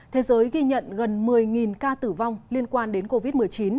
thế giới ghi nhận gần một mươi ca tử vong liên quan đến covid một mươi chín